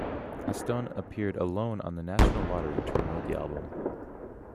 Aston appeared alone on the National Lottery to promote the album.